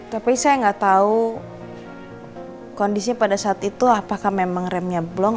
tapi saya gak tahu kondisinya pada saat itu apakah memang remnya belum